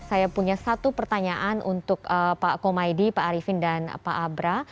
saya punya satu pertanyaan untuk pak komaydi pak arifin dan pak abra